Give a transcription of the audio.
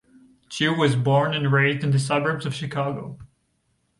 Tu was born and raised in the suburbs of Chicago.